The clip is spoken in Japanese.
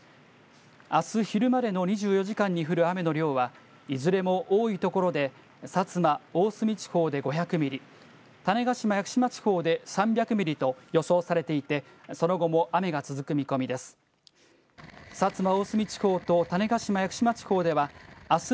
あす昼までの２４時間に降る雨の量は、いずれも多い所で、薩摩・大隅地方で５００ミリ、種子島・屋久島地方で３００ミリと予想されていて、その後も雨が続く見込みです。